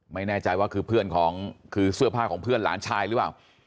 ไม่แน่ใจว่าคือเสื้อผ้าของเพื่อนหลานชายหรือเปล่า